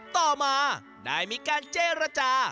ต่อมาได้มีการเจรจา